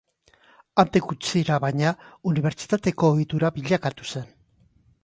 Handik gutxira, baina, unibertsitateko ohitura bilakatu zen.